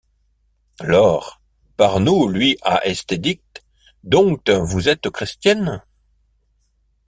Lors, par nous luy ha esté dict: Doncques vous estes chrestienne?